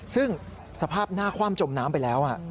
ซึ่งสภาพหน้าคว่ำจมน้ำไปแล้ว